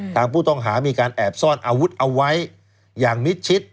ทางผู้ต้องหามีการแอบซ่อนอาวุธเอาไว้อย่างมิดชิด